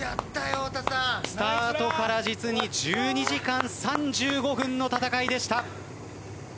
スタートから実に１２時間３５分の戦いでした。